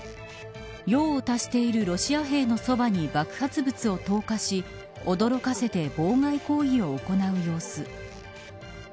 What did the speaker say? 用を足しているロシア兵のそばに爆発物を投下し驚かせて妨害行為を行う様子。